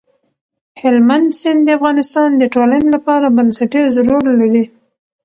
هلمند سیند د افغانستان د ټولنې لپاره بنسټيز رول لري.